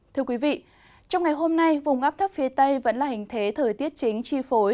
thưa quý vị trong ngày hôm nay vùng ngắp thấp phía tây vẫn là hình thế thời tiết chính chi phối